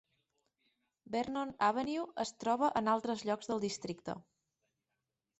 Vernon Avenue es troba en altres llocs del districte.